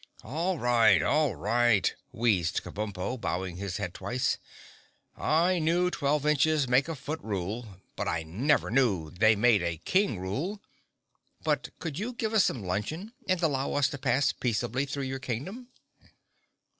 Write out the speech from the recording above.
"All right! All right!" wheezed Kabumpo, bowing his head twice. "I knew twelve inches made a foot rule, but I never knew they made a King Rule. But could you give us some luncheon and allow us to pass peaceably through your Kingdom?"